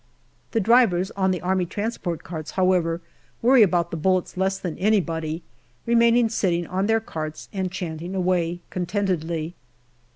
The drivers on the A.T. carts, however, worry about the bullets less than anybody, remaining sitting on their carts and chanting away contentedly.